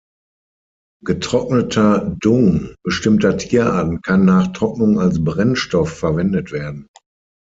Getrockneter Dung bestimmter Tierarten kann nach Trocknung als Brennstoff verwendet werden.